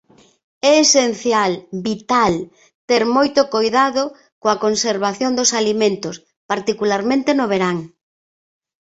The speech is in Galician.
É esencial, vital, ter moito coidado coa conservación dos alimentos, particularmente no verán.